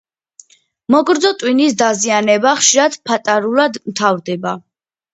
მოგრძო ტვინის დაზიანება ხშირად ფატალურად მთავრდება.